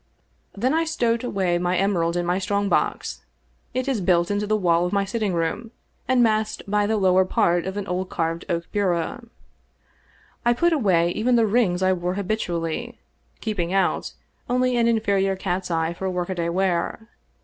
Then I stowed away my emerald in my strong box. It is built into the wall of my sitting room, and masked by the lower part of an old carved oak bureau. I put away even the rings I wore habitually, keeping out only an inferior cat's eye for workaday wear.